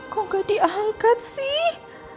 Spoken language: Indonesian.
kok gak diangkat sih